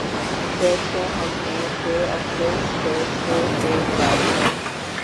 ’Status quo‘ ہم میں سے اکثر 'سٹیٹس کو‘ کے خلاف ہیں۔